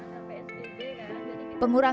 sampai sdp kan